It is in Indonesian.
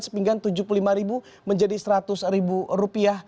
sepinggan rp tujuh puluh lima menjadi rp seratus